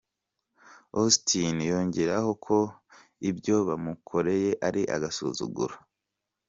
Austin yongeraho ko ibyo bamukoreye ari agasuzuguro.